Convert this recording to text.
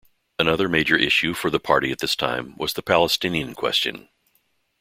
Another major issue for the party at this time was the Palestinian Question.